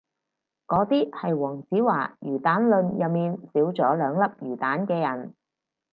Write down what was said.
嗰啲係黃子華魚蛋論入面少咗兩粒魚蛋嘅人